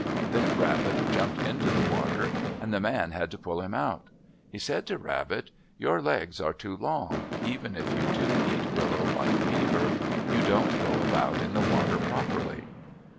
Then Rabbit jumped into the water and the man had to pull him out. He said to Rabbit, "Your legs are too long. Even if you do eat willow like Beaver, you don't go about in the water properly."